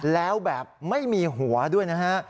แล้วแบบไม่มีหัวด้วยนะฮะ